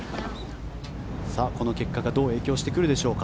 この結果がどう影響してくるでしょうか。